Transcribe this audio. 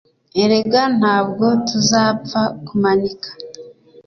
Erega ntabwo tuzapfa kumanika